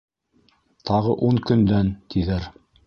- Тағы ун көндән, тиҙәр.